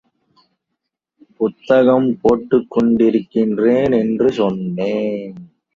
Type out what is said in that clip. புத்தகம் போட்டுக் கொண்டிருக்கிறேன் என்று சொன்னேன்.